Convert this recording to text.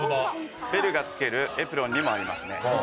ベルが着けるエプロンにもありますね。